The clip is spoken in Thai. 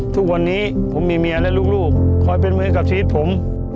ทุกวันนี้ผมมีเมียและลูกคอยเป็นมือกับชีวิตผม